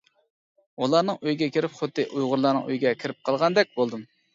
ئۇلارنىڭ ئۆيىگە كىرىپ خۇددى ئۇيغۇرلارنىڭ ئۆيىگە كىرىپ قالغاندەك بولدۇم.